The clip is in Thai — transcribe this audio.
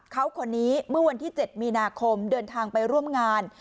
เขาคนนี้เมื่อวันที่๗มีนาคมเดินทางไปร่วมงาน